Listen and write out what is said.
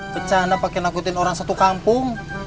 kecana pake nakutin orang satu kampung